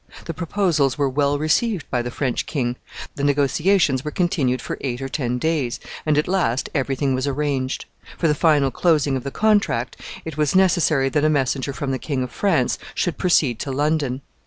The proposals were well received by the French king. The negotiations were continued for eight or ten days, and at last every thing was arranged. For the final closing of the contract, it was necessary that a messenger from the King of France should proceed to London.